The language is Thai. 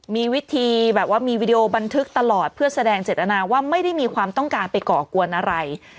มีวิธีแบบว่ามีวิดีโอบันทึกตลอดเพื่อแสดงเจตนาว่าไม่ได้มีความต้องการไปก่อกวนอะไร